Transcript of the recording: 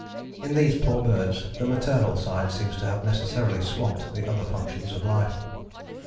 In these poor birds the maternal side seems to have necessarily swamped the other functions of life.